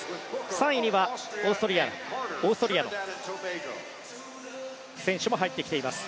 ３位にはオーストリアの選手も入ってきています。